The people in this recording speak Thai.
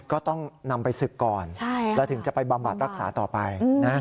ก็ต้องนำไปศึกก่อนแล้วถึงจะไปบำบัดรักษาต่อไปนะ